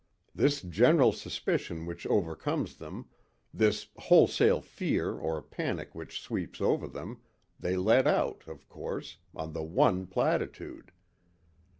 This general suspicion which overcomes them, this wholesale fear or panic which sweeps over them, they let out, of course, on the one platitude.